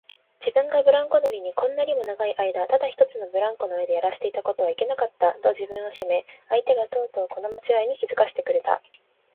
自分がブランコ乗りにこんなにも長いあいだただ一つのブランコの上でやらせていたことはいけなかった、と自分を責め、相手がとうとうこのまちがいに気づかせてくれた